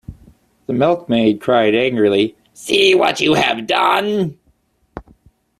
The milk-maid cried angrily; "see what you have done!"